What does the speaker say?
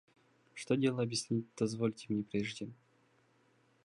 Что дело объяснить дозволите мне прежде.